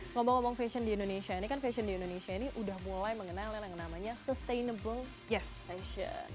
ngomong ngomong fashion di indonesia ini kan fashion di indonesia ini udah mulai mengenal yang namanya sustainable yest fashion